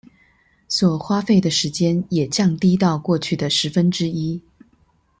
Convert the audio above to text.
所花費的時間也降低到過去的十分之一